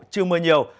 chưa mưa nhiều